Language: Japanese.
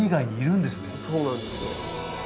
そうなんですよ。